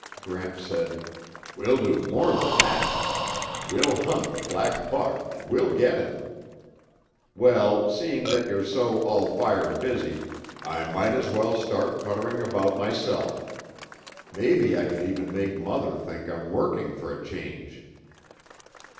Gramps said, "We'll do more than that. We'll hunt the black buck and we'll get him. Well, seeing that you're so all fired busy, I might as well start puttering about myself. Maybe I can even make Mother think I'm working for a change."